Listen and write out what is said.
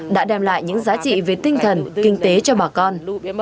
đã đem lại những giá trị về tinh thần kinh tế cho bà con